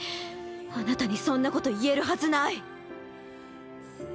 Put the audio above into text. あなたにそんなこと言えるはずない。